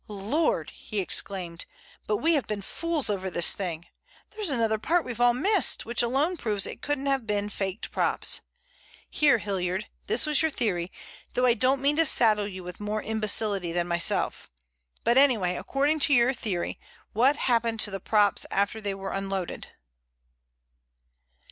"Lord!" he exclaimed, "but we have been fools over this thing! There's another point we've all missed, which alone proves it couldn't have been faked props. Here, Hilliard, this was your theory, though I don't mean to saddle you with more imbecility than myself. But anyway, according to your theory, what happened to the props after they were unloaded?"